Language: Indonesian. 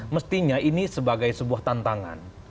mestinya ini sebagai sebuah tantangan